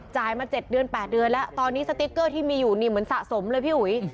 มา๗เดือน๘เดือนแล้วตอนนี้สติ๊กเกอร์ที่มีอยู่นี่เหมือนสะสมเลยพี่อุ๋ย